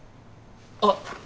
あっ！